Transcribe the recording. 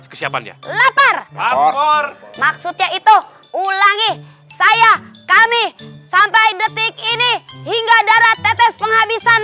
kesiapannya lapar lampur maksudnya itu ulangi saya kami sampai detik ini hingga darah tetes penghabisan